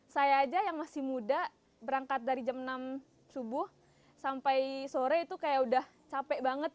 saya aja yang masih muda berangkat dari jam enam subuh sampai sore itu kayak udah capek banget